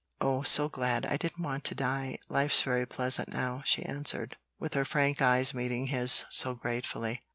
"Oh, so glad! I didn't want to die; life's very pleasant now," she answered, with her frank eyes meeting his so gratefully.